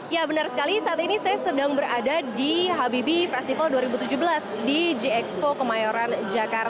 ya benar sekali saat ini saya sedang berada di habibi festival dua ribu tujuh belas di g expo kemayoran jakarta